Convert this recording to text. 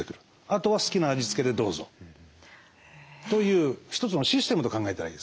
あとは好きな味付けでどうぞという一つのシステムと考えたらいいですね。